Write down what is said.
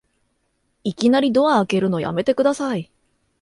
いきなりドア開けるのやめてください